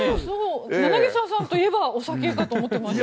柳澤さんといえばお酒かと思っていました。